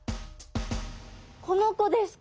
この子ですか。